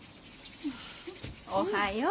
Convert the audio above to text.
おはよう。